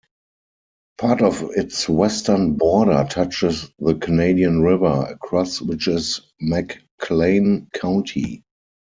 Part of its western border touches the Canadian River, across which is McClain County.